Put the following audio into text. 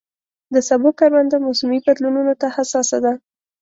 د سبو کرونده موسمي بدلونونو ته حساسه ده.